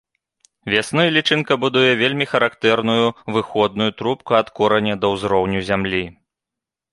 Вясной лічынка будуе вельмі характэрную выходную трубку ад кораня да ўзроўню зямлі.